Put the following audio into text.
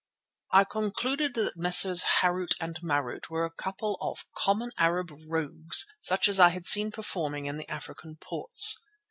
I concluded that Messrs. Harût and Marût were a couple of common Arab rogues such as I had seen performing at the African ports.